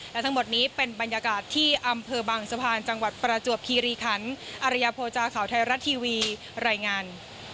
และทั้งหมดนี้เป็นบรรยากาศที่อำเภอบางสะพานจังหวัดประจวบคีรีคันอารยโภจาข่าวไทยรัฐทีวีรายงาน